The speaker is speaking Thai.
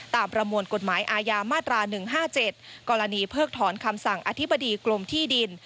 ประมวลกฎหมายอาญามาตรา๑๕๗กรณีเพิกถอนคำสั่งอธิบดีกรมที่ดิน